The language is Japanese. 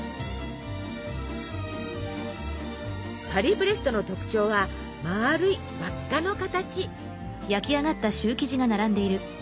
パリブレストの特徴はまるい輪っかの形。